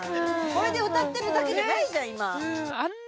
これで歌ってるだけじゃないじゃん